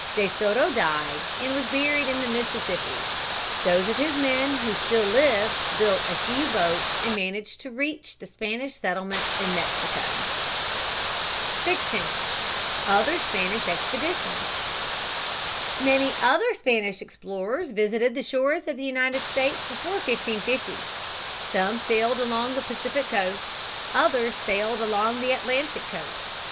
De Soto died and was buried in the Mississippi. Those of his men who still lived built a few boats and managed to reach the Spanish settlements in Mexico. [Sidenote: Other Spanish explorers.] [Sidenote: Attempts at settlement.] 16. Other Spanish Expeditions. Many other Spanish explorers visited the shores of the United States before 1550. Some sailed along the Pacific coast; others sailed along the Atlantic coast.